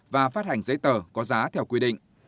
và phát hành giấy tờ có giá theo quy định